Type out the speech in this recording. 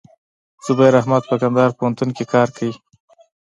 زبير احمد په کندهار پوهنتون کښي کار کيي.